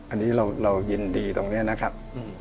อันนี้เรายินดีตรงนี้นะครับ